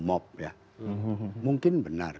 mob ya mungkin benar